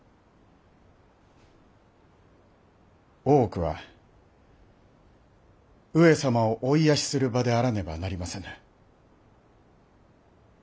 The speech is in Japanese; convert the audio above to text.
大奥は上様をお癒やしする場であらねばなりませぬ。